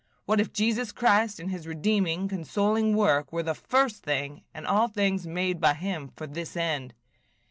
What if Jesus Christ and his redeeming, consoling work were the first thing, and all things made by him for this end?